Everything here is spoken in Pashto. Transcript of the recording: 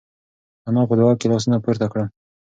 انا په دعا کې لاسونه پورته کړل.